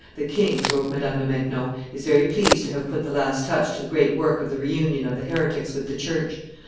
"The king," wrote Madame de Maintenon, "is very pleased to have put the last touch to the great work of the reunion of the heretics with the church.